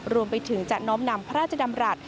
รวมไปถึงจะน้อมนำพระราชดำรัฐ